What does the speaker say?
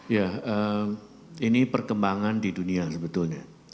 ya ini perkembangan di dunia sebetulnya